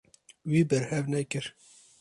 Wî berhev nekir.